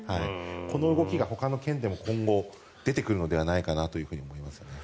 この動きがほかの県でも今後、出てくるのではないかと思います。